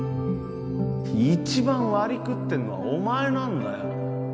一番割食ってんのはお前なんだよ